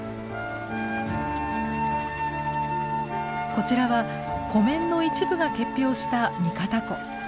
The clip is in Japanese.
こちらは湖面の一部が結氷した三方湖。